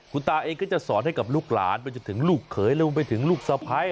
คุณตาเองก็จะสอนให้กับลูกหลานไปจนถึงลูกเขยรวมไปถึงลูกสะพ้าย